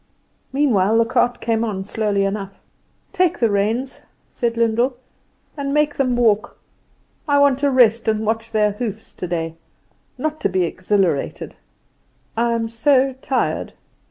Meanwhile the cart came on slowly enough. "Take the reins," said Lyndall, and "and make them walk. I want to rest and watch their hoofs today not to be exhilarated; I am so tired."